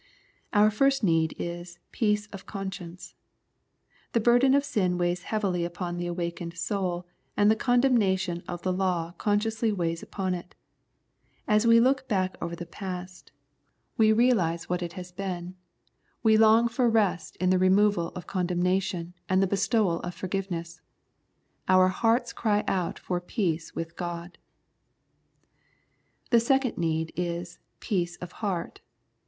Our first need is feace of conscience. The burden of sin weighs heavily upon the awakened soul, and the condemnation of the law consciously weighs upon it. As we look back over the past, and realise what it has 50 Love and Peace been, we long for rest in the removal of con demnation and the bestowal of forgiveness. Our hearts cry out for peace with God. Our second need is peace of heart.